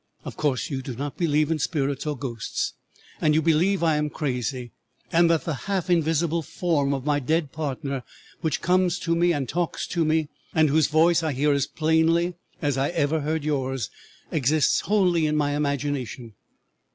Of course you do not believe in spirits or ghosts, and you believe I am crazy, and that the half invisible form of my dead partner which comes to me and talks to me, and whose voice I hear as plainly as I ever heard yours, exists wholly in my imagination.